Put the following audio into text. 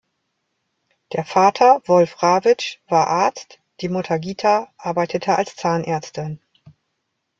Der Vater Wolf Rawitsch war Arzt, die Mutter Gita, arbeitete als Zahnärztin.